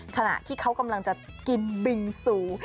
ขณะที่เขากำลังจะกินบิงซู